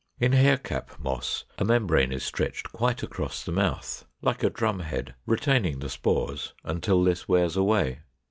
In Hair cap Moss a membrane is stretched quite across the mouth, like a drum head, retaining the spores until this wears away.